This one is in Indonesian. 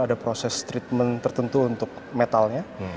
ada proses treatment tertentu untuk metalnya